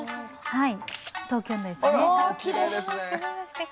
はい。